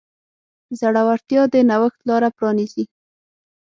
زړورتیا د نوښت لاره پرانیزي.